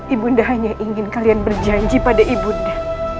ibu nde hanya ingin kalian berjanji pada ibu nde